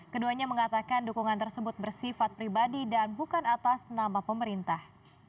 keduanya mengatakan dukungan tersebut bersifat pribadi dan bukan atas nama pemerintah